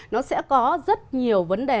nó sẽ có rất nhiều vấn đề